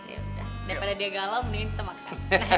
yaudah daripada dia galau mendingan kita makan